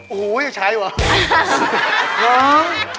โอ้โฮอย่าใช้เหรอ